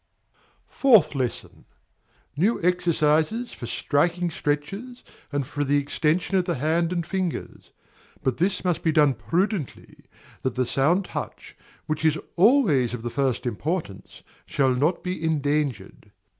Fourth Lesson. New exercises for striking stretches, and for the extension of the hand and fingers; but this must be done prudently, that the sound touch, which is always of the first importance, shall not be endangered.